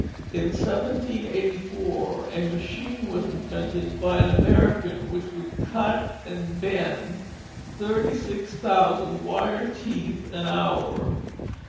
In 1784 a machine was invented by an American which would cut and bend thirty six thousand wire teeth an hour.